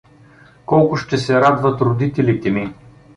Колко ще се радват родителите ми!